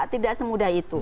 tidak semudah itu